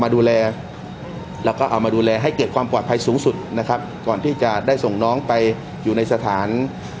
ดูแลให้เก็บความปลอดภัยสูงสุดนะครับก่อนที่จะได้ส่งน้องไปอยู่ในสถาน